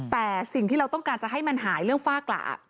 แต่สิ่งที่เราต้องการจะให้มันหายเรื่องฝ้ากระ